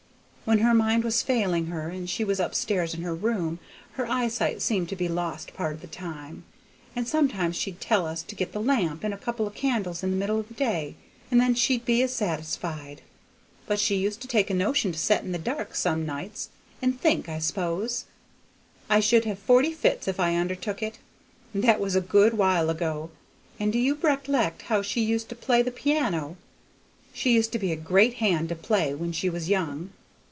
When her mind was failing her, and she was up stairs in her room, her eyesight seemed to be lost part of the time, and sometimes she'd tell us to get the lamp and a couple o' candles in the middle o' the day, and then she'd be as satisfied! But she used to take a notion to set in the dark, some nights, and think, I s'pose. I should have forty fits, if I undertook it. That was a good while ago; and do you rec'lect how she used to play the piano? She used to be a great hand to play when she was young."